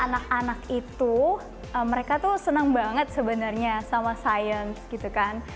anak anak itu mereka tuh senang banget sebenarnya sama sains gitu kan